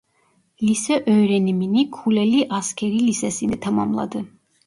Lise öğrenimini Kuleli Askerî Lisesinde tamamladı.